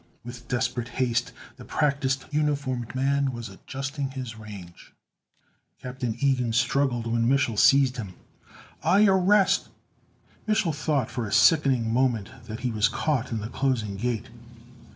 With desperate haste the practiced, uniformed man was adjusting his range. Captain Ilgen struggled when Mich'l seized him. "I arrest " Mich'l thought for a sickening moment that he was caught in the closing gate.